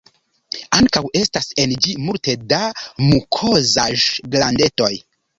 Ankaŭ estas en ĝi multe da mukozaĵ-glandetoj.